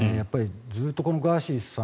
ずっとガーシーさん